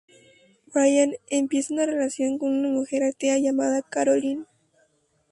Brian empieza una relación con una mujer atea llamada Carolyn.